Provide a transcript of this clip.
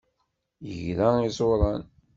Yegra iẓuran.